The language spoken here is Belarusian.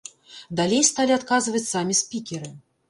Далей сталі адказваць самі спікеры.